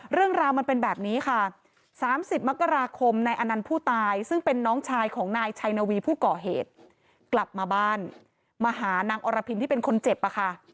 เรื่องราวมันเป็นแบบนี้ค่ะ๓๐มกราคมนายอนันต์ผู้ตายซึ่งเป็นน้องชายของนายชัยนวีผู้ก่อเหตุกลับมาบ้านมาหานางอรพินที่เป็นคนเจ็บอะค่ะ